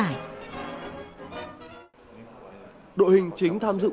đội hình chính tham dự world cup năm đó gồm bốn cầu thủ châu âu nhưng đều sinh ra ở indonesia